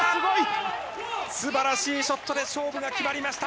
素晴らしいショットで勝負が決まりました。